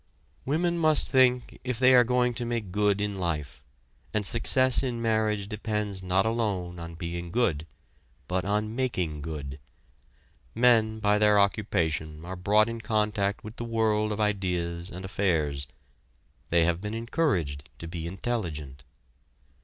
Women must think if they are going to make good in life; and success in marriage depends not alone on being good, but on making good! Men by their occupation are brought in contact with the world of ideas and affairs. They have been encouraged to be intelligent.